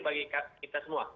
bagi kita semua